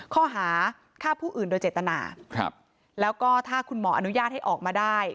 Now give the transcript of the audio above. ข้อหาฆ่าผู้อื่นโดยเจตนาแล้วก็ถ้าคุณหมออนุญาตให้ออกมาได้